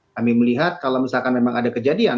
kami melihat kalau misalkan memang ada kejadian